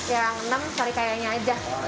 yang enam sarikayanya aja